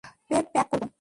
কীভাবে প্যাক করব?